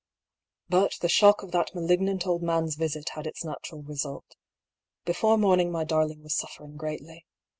. But the shock of that malignant old man's visit had its natural result. Before morning my darling was suffering greatly.